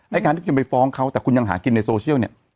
การที่คุณไปฟ้องเขาแต่คุณยังหากินในโซเชียลเนี่ย